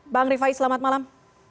bang rifai selamat malam